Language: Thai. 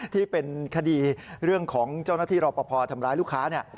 ที่เป็นคดีเรื่องของเจ้าหน้าที่รอปภทำร้ายลูกค้าเนี่ย